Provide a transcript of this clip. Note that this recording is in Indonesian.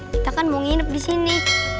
kita kan mau nginep di sini